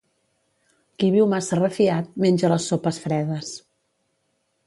Qui viu massa refiat, menja les sopes fredes.